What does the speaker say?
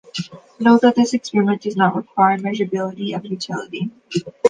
Note that this experiment does not require measurability of utility.